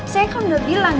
saya kan udah bilang